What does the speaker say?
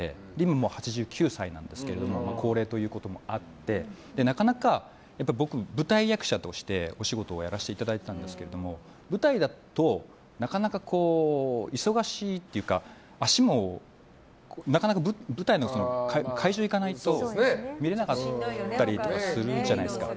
今、８９歳なんですが高齢ということもあってなかなか僕、舞台役者としてお仕事をやらせていただいてたんですけど舞台だとなかなか忙しいというか舞台の会場に行かないと見れなかったりするじゃないですか。